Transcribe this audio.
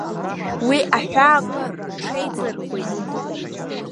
Уи аҳәаақәа рҽеиҵырхуеит.